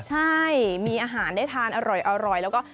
ใช่มีอาหารได้ทานอร่อยแล้วก็